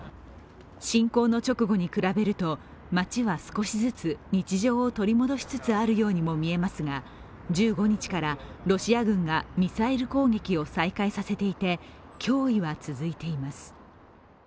侵攻の直後に比べると、街は少しずつ日常を取り戻しつつあるようにも見えますが１５日からロシア軍がミサイル攻撃を再開させていて脅威は続いています。